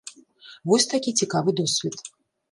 Вось такі цікавы досвед.